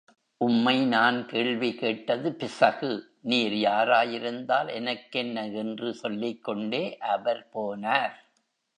உம்மை நான் கேள்வி கேட்டது பிசகு, நீர் யாராயிருந்தால் எனக்கென்ன என்று சொல்லிக்கொண்டே அவர் போனார்.